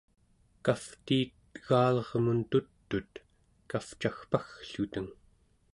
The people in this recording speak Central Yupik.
kavtiit egalermun tut'ut kavcagpaggluteng